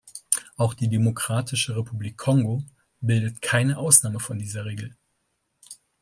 Auch die Demokratische Republik Kongo bildet keine Ausnahme von dieser Regel.